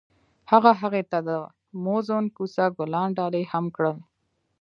هغه هغې ته د موزون کوڅه ګلان ډالۍ هم کړل.